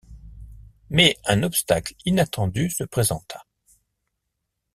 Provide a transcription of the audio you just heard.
Mais un obstacle inattendu se présenta.